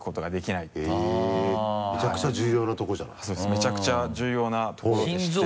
めちゃくちゃ重要なところでして。